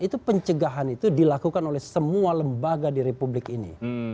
itu pencegahan itu dilakukan oleh semua lembaga di republik ini